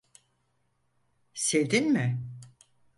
Sevdin mi?